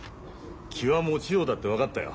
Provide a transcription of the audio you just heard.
気は持ちようだって分かったよ。